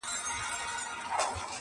خپل اوبه وجود راټولومه نور ،